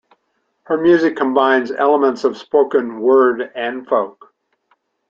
Her music combines elements of spoken word and folk.